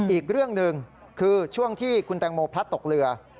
อีกเรื่องหนึ่งคือช่วงที่คุณแตงโมพลัดตกเรือ